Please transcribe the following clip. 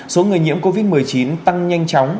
số người nhiễm covid một mươi chín tăng nhanh chóng